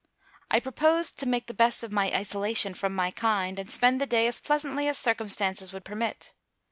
I proposed to make the best of my isolation from my kind, and spend the day as pleasantly as circumstances would permit.